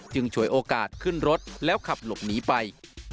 ฉวยโอกาสขึ้นรถแล้วขับหลบหนีไป